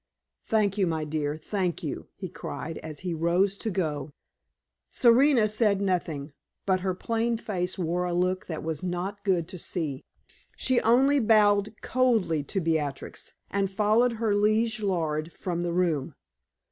"Thank you, my dear; thank you!" he cried, as he rose to go. Serena said nothing, but her plain face wore a look that was not good to see. She only bowed coldly to Beatrix, and followed her liege lord from the room.